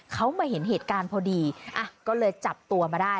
เขามาเห็นเหตุการณ์พอดีอ่ะก็เลยจับตัวมาได้